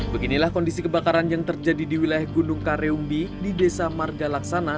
beginilah kondisi kebakaran yang terjadi di wilayah gunung kareumbi di desa marga laksana